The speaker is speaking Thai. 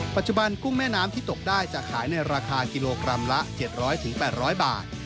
กุ้งแม่น้ำที่ตกได้จะขายในราคากิโลกรัมละ๗๐๐๘๐๐บาท